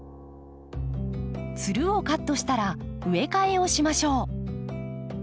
つるをカットしたら植え替えをしましょう。